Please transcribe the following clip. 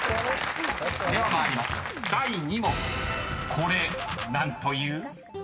［これ何という？］